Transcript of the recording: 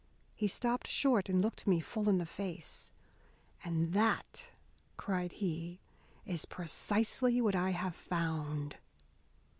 He stopped short and looked me full in the face. "And that," cried he, "is precisely what I have found!"